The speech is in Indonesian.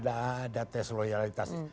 nggak ada tes loyalitas